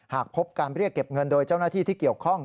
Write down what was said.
หากพบการเรียกเก็บเงินโดยเจ้าหน้าที่ที่เกี่ยวข้อง